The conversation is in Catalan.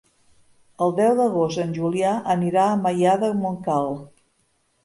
El deu d'agost en Julià anirà a Maià de Montcal.